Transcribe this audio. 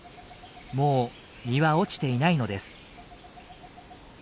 もう実は落ちていないのです。